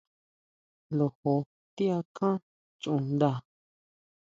Lojo ti akjan chundá?